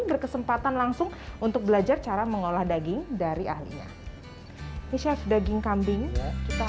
berkesempatan langsung untuk belajar cara mengolah daging dari ahlinya ini chef daging kambing kita